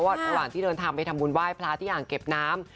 ระหว่างที่เดินทางไปทำบุญไหว้พระที่อ่างเก็บน้ำ